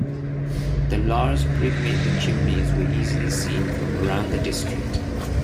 The large brick-making chimneys were easily seen from around the district.